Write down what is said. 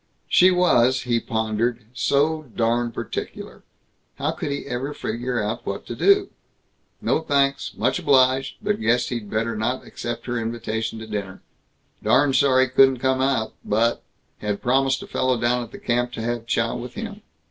She was, he pondered, so darn particular. How could he ever figure out what he ought to do? No thanks; much obliged, but guessed he'd better not accept her invitation to dinner. Darn sorry couldn't come but Had promised a fellow down at the camp to have chow with him.